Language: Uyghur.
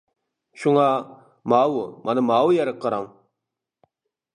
شۇڭا. ماۋۇ مانا ماۋۇ يەرگە قاراڭ.